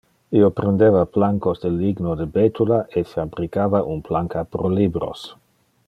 Io prendeva plancas de ligno de betula e fabricava un planca pro libros.